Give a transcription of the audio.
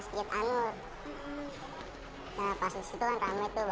sama orang situ yang bawa motor